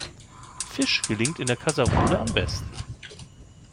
Fisch gelingt in der Kaserolle am besten.